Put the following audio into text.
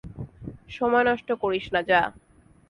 সময় নষ্ট করিস না যা।